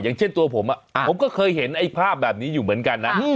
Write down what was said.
อย่างเช่นตัวผมผมก็เคยเห็นไอ้ภาพแบบนี้อยู่เหมือนกันนะ